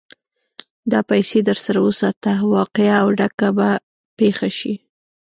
دا پيسې در سره وساته؛ واقعه او ډکه به پېښه شي.